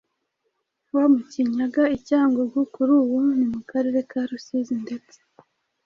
wo mukinyaga i Cyangungu kuri ubu ni mu karere ka Rusizi ndetse